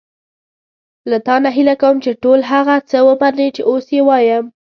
له تا نه هیله کوم چې ټول هغه څه ومنې چې اوس یې وایم.